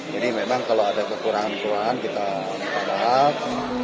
jadi memang kalau ada kekurangan kekurangan kita mengobat